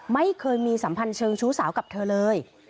ไม่เคยมีสัมพันธ์เชิงชู้สาวกับเธอเลย